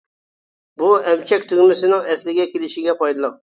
بۇ ئەمچەك تۈگمىسىنىڭ ئەسلىگە كېلىشكە پايدىلىق.